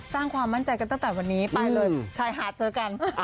สร้างความมั่นใจกันตั้งแต่วันนี้ไปเลยชายหาดเจอกัน